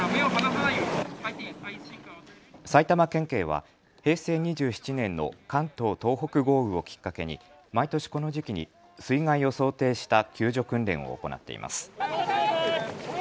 埼玉県警は平成２７年の関東・東北豪雨をきっかけに毎年この時期に水害を想定した救助訓練を行っています。